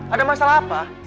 ada masalah apa